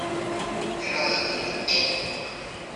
era la Niña Chole: